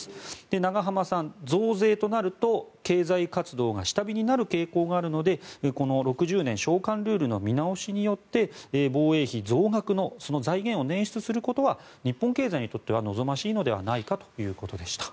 永濱さん、増税となると経済活動が下火になる可能性があるのでこの６０年償還ルールの見直しによって防衛費増額の財源を捻出することは日本経済にとっては望ましいのではないかということでした。